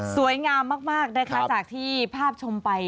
สวยงามมากนะคะจากที่ภาพชมไป